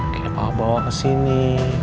akhirnya papa bawa kesini